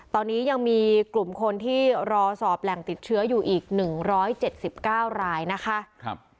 ตอนนี้ยังมีกลุ่มคนที่รอสอบแหล่งติดเชื้ออยู่อีก๑๗๙รายนะคะ